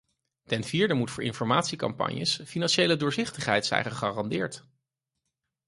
Ten vierde moet voor informatiecampagnes financiële doorzichtigheid zijn gegarandeerd.